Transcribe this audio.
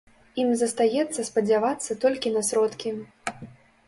Ім застаецца спадзявацца толькі на сродкі.